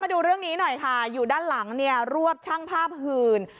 ดูเรื่องนี้หน่อยค่ะอยู่ด้านหลังเนี่ยรวบช่างภาพหื่น